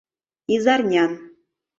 Изарнян